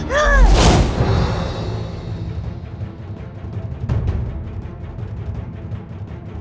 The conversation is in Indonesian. kejadian itu akan berakhir